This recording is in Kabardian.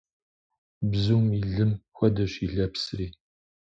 Бзум и лым хуэдэщ и лэпсри.